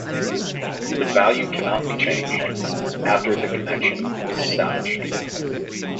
The value cannot be changed after the connection is established.